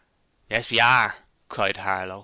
'Yes, we are!' cried Harlow.